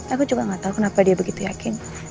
aku juga gak tahu kenapa dia begitu yakin